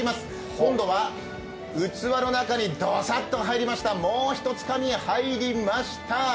今度は器の中にどさっと入りました、もうひとつかみ入りました。